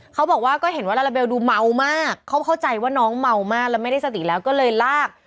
เขาบอกว่าก็เห็นว่าลาลาเบลดูเมามากเขาเข้าใจว่าน้องเมามากแล้วไม่ได้สติแล้วก็เลยลาก